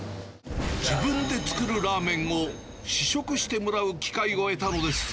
自分で作るラーメンを試食してもらう機会を得たのです。